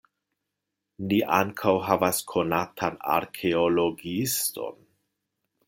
Ni ankaŭ havas konatan arkeologiiston.